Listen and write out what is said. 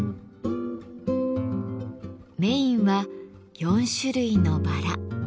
メインは４種類のバラ。